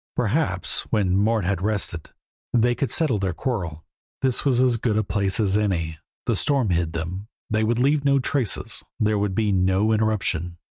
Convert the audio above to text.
Perhaps, when Mort had rested, they could settle their quarrel; this was as good a place as any. The storm hid them, they would leave no traces, there could be no interruption.